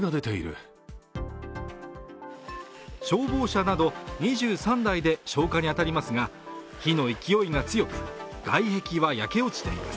消防車など２３台で消火に当たりますが火の勢いが強く外壁は焼け落ちています。